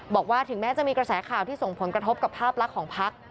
บอกว่าถึงแม้จะมีกระแสข่าวที่ส่งผลกระทบกับภาพลักษณ์ของพัก